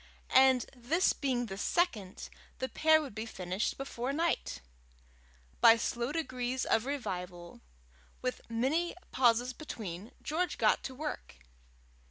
and this being the second, the pair would be finished before night! By slow degrees of revival, with many pauses between, George got to work.